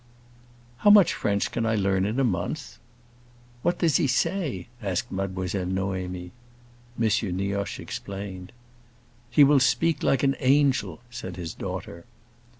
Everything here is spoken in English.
"How much French can I learn in a month?" "What does he say?" asked Mademoiselle Noémie. M. Nioche explained. "He will speak like an angel!" said his daughter.